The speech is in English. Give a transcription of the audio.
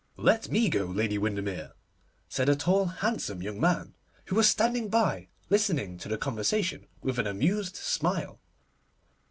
'Let me go, Lady Windermere,' said a tall handsome young man, who was standing by, listening to the conversation with an amused smile.